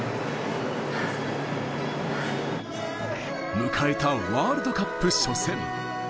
迎えたワールドカップ初戦。